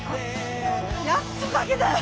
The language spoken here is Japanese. やっとかけたよ！